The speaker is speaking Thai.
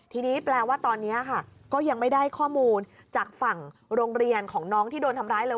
ทีนี้แปลว่าตอนนี้ค่ะก็ยังไม่ได้ข้อมูลจากฝั่งโรงเรียนของน้องที่โดนทำร้ายเลย